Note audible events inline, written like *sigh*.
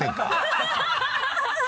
ハハハ *laughs*